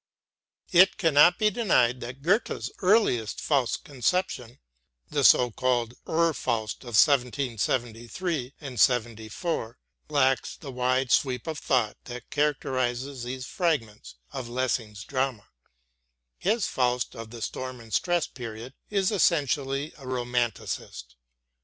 It cannot be denied that Goethe's earliest Faust conception, the so called Ur Faust of 1773 and '74, lacks the wide sweep of thought that characterizes these fragments of Lessing's drama. His Faust of the Storm and Stress period is essentially a Romanticist.